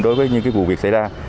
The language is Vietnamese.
đối với những vụ việc xảy ra